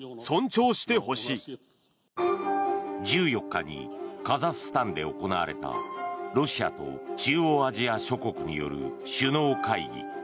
１４日にカザフスタンで行われたロシアと中央アジア諸国による首脳会議。